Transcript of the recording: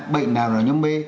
bệnh nào là nhóm b